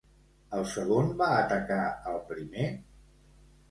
El segon va atacar al primer?